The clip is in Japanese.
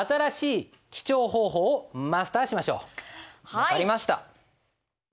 分かりました。